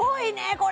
これ！